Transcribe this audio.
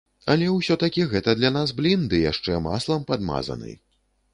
Але ўсё-такі гэта для нас блін ды яшчэ маслам падмазаны.